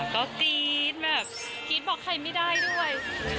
ก็กรี๊ดแบบกรี๊ดบอกใครไม่ได้ด้วย